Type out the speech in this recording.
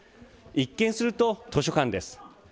一見すると、図書館です。